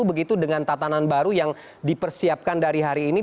begitu dengan tatanan baru yang dipersiapkan dari hari ini